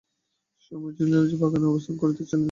স্বামীজী নীলাম্বরবাবুর বাগানেই অবস্থান করিতেছিলেন।